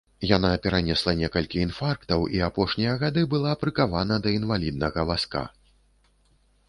Яна перанесла некалькі інфарктаў і апошнія гады была прыкавана да інваліднага вазка.